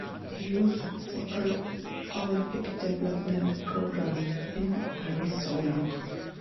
Youth Soccer Olympic Development Program in Arizona.